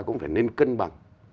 cũng phải nên cân bằng